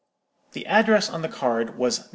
"The address on the card was, 'No.